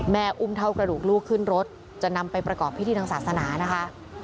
แม่อุ้มเท่ากระดูกลูกขึ้นรถจะนำไปประกอบพิธีทางศาสนานะคะ